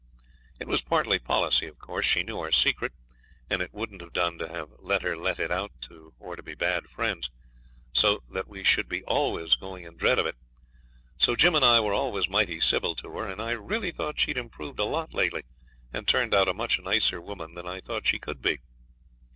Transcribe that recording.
It was partly policy, of course. She knew our secret, and it wouldn't have done to have let her let it out or be bad friends, so that we should be always going in dread of it. So Jim and I were always mighty civil to her, and I really thought she'd improved a lot lately and turned out a much nicer woman than I thought she could be.